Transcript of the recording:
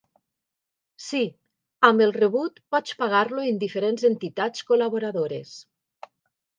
Sí, amb el rebut pots pagar-lo en diferents entitats col·laboradores.